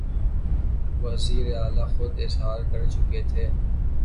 وزیراعلیٰ خود اظہار کرچکے تھے